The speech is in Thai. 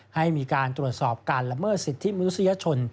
ให้มีการตรวจสอบการละเมิดสิทธิมนุษยชน